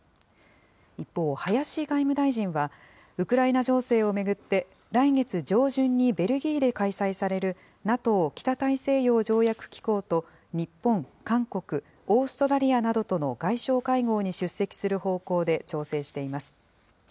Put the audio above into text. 一方、林外務大臣は、ウクライナ情勢を巡って、来月上旬にベルギーで開催されるＮＡＴＯ・北大西洋条約機構と日本、韓国、オーストラリアなどとの外相会合に出席する方向で調整しています。